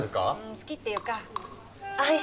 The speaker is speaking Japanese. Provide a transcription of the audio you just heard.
好きっていうか愛してる。